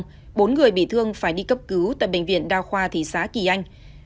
trong đó có bốn người bị thương phải đi cấp cứu tại bệnh viện đao khoa thị xã kỳ anh